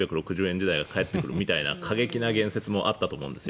時代が帰ってくるみたいな過激な言説もあったと思うんですよ。